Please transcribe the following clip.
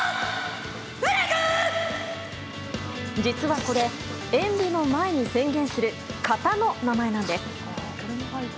実はこれ、演武の前に宣言する形の名前なんです。